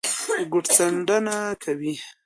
ګوتڅنډنه کوي